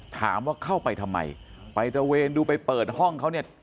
ถามว่าเข้าไปทำไมไปตระเวนดูไปเปิดห้องเขาเนี่ย